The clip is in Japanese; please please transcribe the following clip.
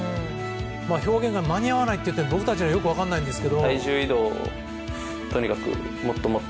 表現が間に合わないということで僕たちにはよく分からないんですが。